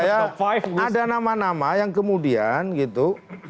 maksud saya ada nama nama yang kemudian gitu